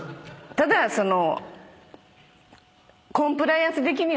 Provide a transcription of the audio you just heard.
ただその。